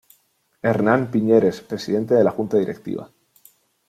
Hernán Piñeres: Presidente de la Junta Directiva.